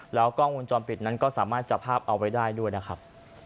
แล้วกล้องวงจรปิดนั้นก็สามารถจับภาพเอาไว้ได้ด้วยนะครับ